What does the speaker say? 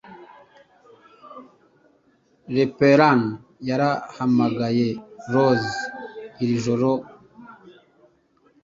leparan yarahamagaye rose iro joro